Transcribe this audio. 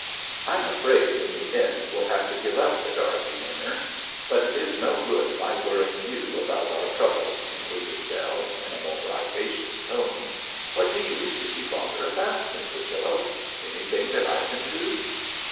I'm afraid in the end we'll have to give up The Derby Winner. But it is no good my worrying you about our troubles,' concluded Bell, in a more vivacious tone; 'what do you wish to see father about, Miss Whichello? Anything that I can do?'